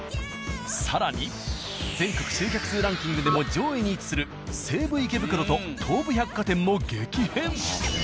更に全国集客数ランキングでも上位に位置する西武池袋と東武百貨店も激変。